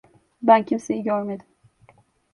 Ben kimseyi görmedim.